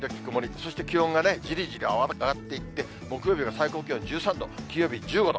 そして気温がじりじり上がっていって、木曜日が最高気温１３度、金曜日１５度。